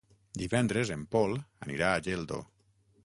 Divendres en Pol anirà a Geldo.